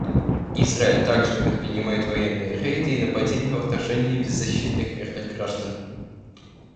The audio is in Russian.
Израиль также предпринимает военные рейды и нападения в отношении беззащитных мирных граждан.